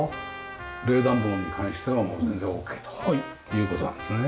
冷暖房に関してはもう全然オーケーという事なんですね。